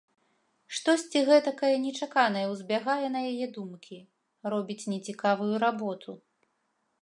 Штосьці гэтакае нечаканае ўзбягае на яе думкі, робіць нецікавую работу.